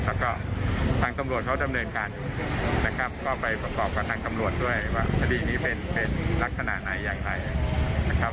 แล้วก็ทางตำรวจเขาดำเนินการอยู่นะครับก็ไปประกอบกับทางตำรวจด้วยว่าคดีนี้เป็นลักษณะไหนอย่างไรนะครับ